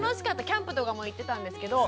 キャンプとかも行ってたんですけど。